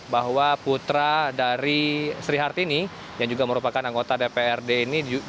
bahwa putra dari sri hartini yang juga merupakan anggota dprd ini